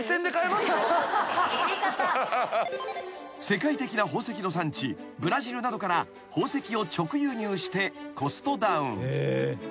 ［世界的な宝石の産地ブラジルなどから宝石を直輸入してコストダウン］